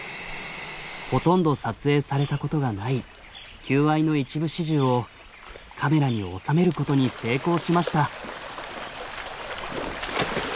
ほとんど撮影されたことがない求愛の一部始終をカメラに収めることに成功しました。